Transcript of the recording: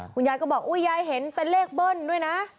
คุณยายก็บอกอุ๊ยยายเห็นเป็นเลขเบิ้ลด้วยนะ